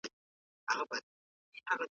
مېوې د ډاکټرانو لخوا د روغتیا لپاره توصیه کیږي.